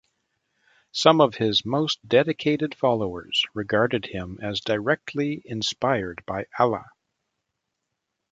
Some of his most dedicated followers regarded him as directly inspired by Allah.